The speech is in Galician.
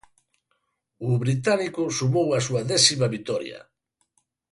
O británico sumou a súa décima vitoria.